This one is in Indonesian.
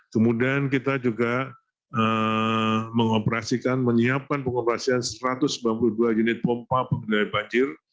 kemudian kita juga mengoperasikan menyiapkan pengoperasian satu ratus sembilan puluh dua unit pompa pengendalian banjir